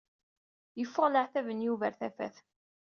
Yeffeɣ leɛtab n Yuba ɣer tafat.